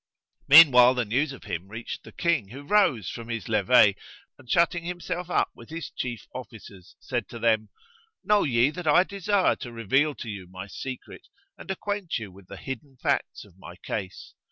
Meanwhile the news of him reached the King, who rose from his levee and, shutting himself up with his chief officers, said to them, "Know ye that I desire to reveal to you my secret and acquaint you with the hidden facts of my case.